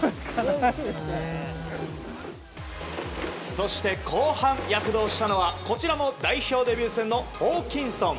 そして後半、躍動したのはこちらも代表デビュー戦のホーキンソン。